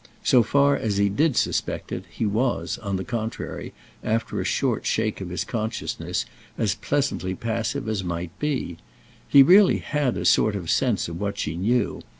So far as he did suspect it he was on the contrary, after a short shake of his consciousness, as pleasantly passive as might be. He really had a sort of sense of what she knew.